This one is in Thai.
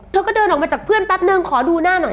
เธอก็เดินออกมาจากเพื่อนแป๊บนึงขอดูหน้าหน่อย